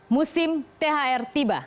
musim thr tiba